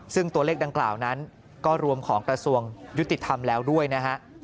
ซึ่งตัวเลขดังกล่าวนั้นก็รวมของกระทรวงยุติธรรมแล้วด้วยนะฮะ